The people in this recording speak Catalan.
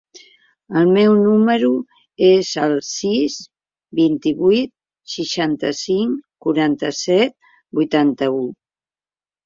El meu número es el sis, vint-i-vuit, seixanta-cinc, quaranta-set, vuitanta-u.